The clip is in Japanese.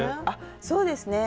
そうですね。